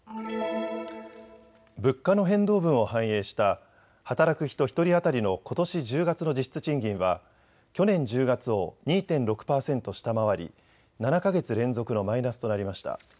物価の変動分を反映した働く人１人当たりのことし１０月の実質賃金は去年１０月を２．６％下回り７か月連続のマイナスとなりました。